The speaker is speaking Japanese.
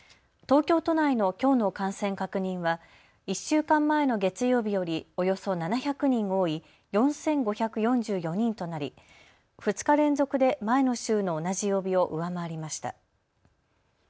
東京都内のきょうの感染確認は１週間前の月曜日よりおよそ７００人多い４５４４人となり２日連続で前の週の同じ曜日を上回りました。